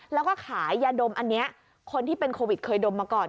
แล้วก็ขายยาดมอันนี้คนที่เป็นโควิดเคยดมมาก่อน